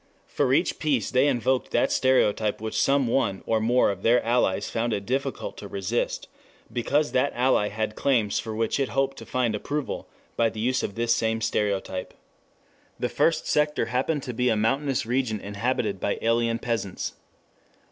For each piece they invoked that stereotype which some one or more of their allies found it difficult to resist, because that ally had claims for which it hoped to find approval by the use of this same stereotype. The first sector happened to be a mountainous region inhabited by alien peasants.